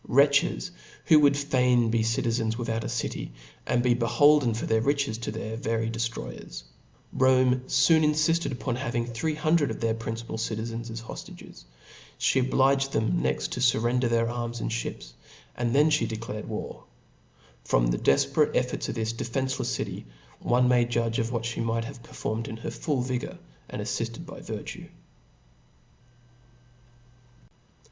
Wretches, who I would fain be citizens without a city, and be S holden for their riches to their very deftroyers I Rome foon infilled upon having three hundred of their principal citizens as hoftages ; (he obliged them next to furrender their arms and (hips ; and then (he declared war f. From the defperate ef forts of this defencelefs city, one may judge of what (he might have performed in her full vigour^ andafliftcd by virtue.